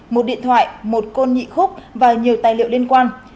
một điện thoại một côn nhị khúc và nhiều tài liệu liên quan